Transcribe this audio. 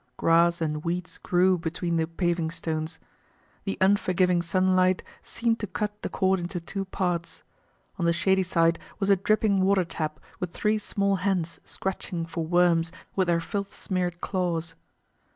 Grass and weeds grew between the paving stones. The unforgiving sunlight seemed to cut the court into two parts. On the shady side was a dripping water tap with three small hens scratching for worms with their filth smeared claws.